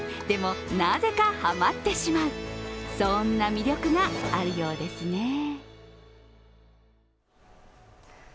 でも、なぜかハマってしまう、そんな魅力があるようですね。